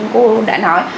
cô đã nói